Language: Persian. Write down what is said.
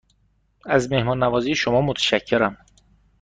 از مهمان نوازی شما متشکرم.